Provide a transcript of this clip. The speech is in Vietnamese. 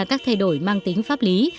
các thay đổi mang tính pháp lý